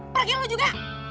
pergi lu juga